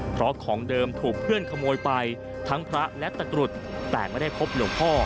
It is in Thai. เพราะของเดิมถูกเพื่อนขโมยไปทั้งพระและตะกรุดแต่ไม่ได้พบหลวงพ่อ